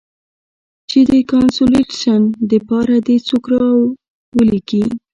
چې د کانسولټېشن د پاره دې څوک ارولېږي.